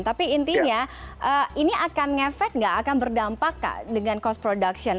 tapi intinya ini akan ngefek nggak akan berdampak dengan cost production